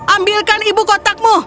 ambilkan ibu kotakmu